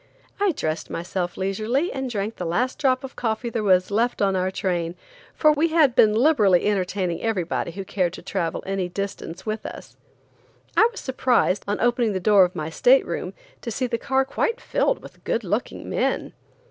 I dressed myself leisurely and drank the last drop of coffee there was left on our train, for we had been liberally entertaining everybody who cared to travel any distance with us. I was surprised, on opening the door of my state room, to see the car quite filled with good looking men.